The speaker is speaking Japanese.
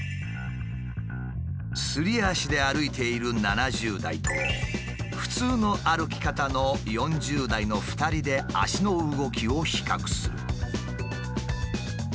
すり足で歩いている７０代と普通の歩き方の４０代の２人で足の動きを比較する。